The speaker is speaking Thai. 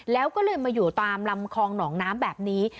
แล้วก็เลยมาอยู่ตามลำคลองหนองน้ำแบบนี้